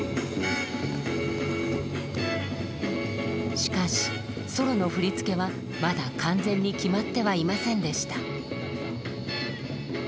しかしソロの振り付けはまだ完全に決まってはいませんでした。